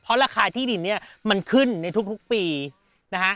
เพราะราคาที่ดินเนี่ยมันขึ้นในทุกปีนะฮะ